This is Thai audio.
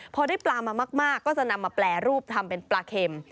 พอได้ปลามามากก็จะนำมาแปรรูปทำเป็นปลาเข็ม